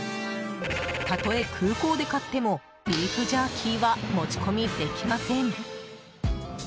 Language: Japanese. たとえ空港で買ってもビーフジャーキーは持ち込みできません。